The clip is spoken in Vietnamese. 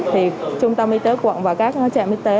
thì trung tâm y tế quận và các trạm y tế